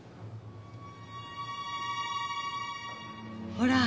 ほら！